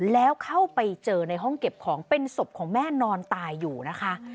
แล้วเข้าไปเจอในห้องเก็บของเป็นศพของแม่นอนตายอยู่นะคะ